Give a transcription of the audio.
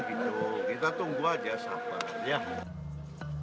kita tunggu aja sampai